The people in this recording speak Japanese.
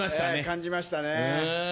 感じましたね。